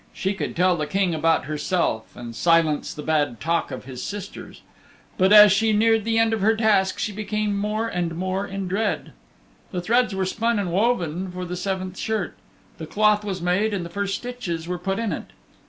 She could tell the King about herself and silence the bad talk of his sisters. But as she neared the end of her task she became more and more in dread. The threads were spun and woven for the seventh shirt. The cloth was made and the first stitches were put in it.